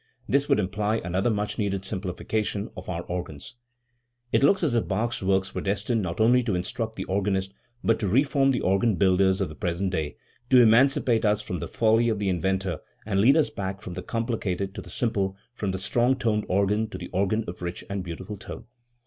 This would imply another much needed simplification of our organs*. It looks as if Bach's works were destined not only to instruct the organist but to reform the organ builders of the present day, to emancipate us from the folly of the inventor and lead us back from the complicated to the simple, from the strong toned organ to the organ of rich and beautiful tone.